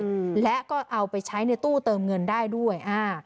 อืมและก็เอาไปใช้ในตู้เติมเงินได้ด้วยอ่า